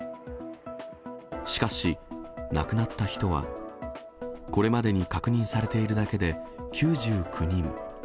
しかし、亡くなった人はこれまでに確認されているだけで９９人。